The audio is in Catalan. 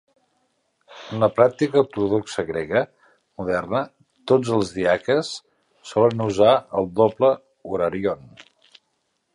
En la pràctica ortodoxa grega moderna, tots els diaques solen usar el doble orarion.